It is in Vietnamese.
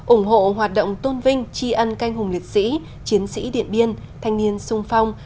ủng hộ hoạt động tôn vinh tri ân canh hùng liệt sĩ chiến sĩ điện biên thanh niên sung phong